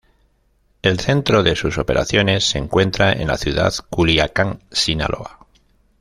El centro de sus operaciones se encuentra en la ciudad de Culiacán, Sinaloa.